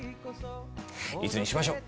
いつにしましょ？